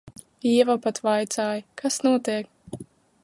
Ieva pat vaicāja, kas notiek.